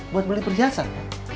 buat beli perhiasan